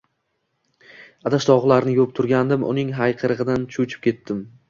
Idish-tovoqlarni yuvib turgandim, uning hayqirig`idan cho`chib ketdim